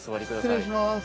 ◆失礼します。